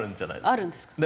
あるんですか。